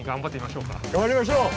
頑張りましょう！